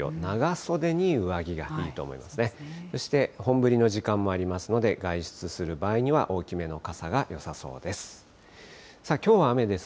そして本降りの時間もありますので、外出する場合には大きめの傘がよさそうです。